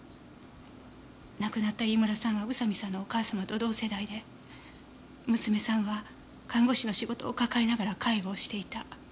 亡くなった飯村さんは宇佐見さんのお母様と同世代で娘さんは看護師の仕事を抱えながら介護をしていた。